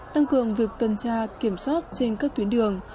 tăng cường việc tuần tra kiểm soát trên các tuyến đường